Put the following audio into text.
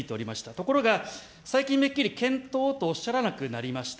ところが、最近めっきり検討とおっしゃらなくなりました。